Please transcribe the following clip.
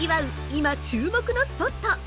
今注目のスポット！